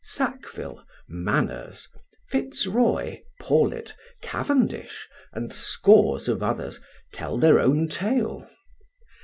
Sackville, Manners, Fitzroy, Paulet, Cavendish, and scores of others, tell their own tale.